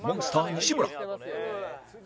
西村。